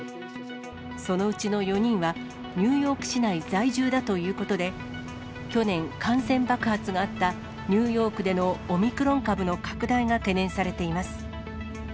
そのうちの４人は、ニューヨーク市内在住だということで、去年、感染爆発があったニューヨークでのオミクロン株の拡大が懸念されています。